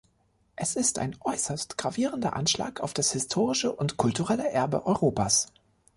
Es ist dies ein äußerst gravierender Anschlag auf das historische und kulturelle Erbe Europas.